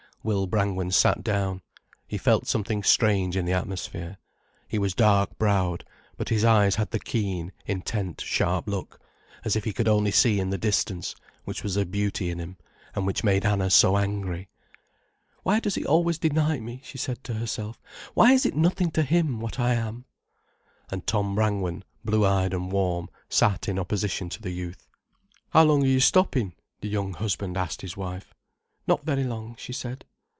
Will Brangwen sat down. He felt something strange in the atmosphere. He was dark browed, but his eyes had the keen, intent, sharp look, as if he could only see in the distance; which was a beauty in him, and which made Anna so angry. "Why does he always deny me?" she said to herself. "Why is it nothing to him, what I am?" And Tom Brangwen, blue eyed and warm, sat in opposition to the youth. "How long are you stopping?" the young husband asked his wife. "Not very long," she said.